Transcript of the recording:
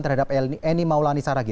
terhadap eni maulani saragi